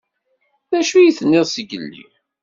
D acu i d-tenniḍ zgelli?